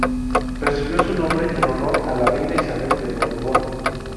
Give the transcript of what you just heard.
Recibió su nombre en honor a la reina Isabel de Borbón.